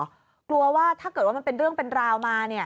กลัวว่าถ้าเกิดว่ามันเป็นเรื่องเป็นราวมา